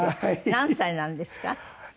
何歳なんですか？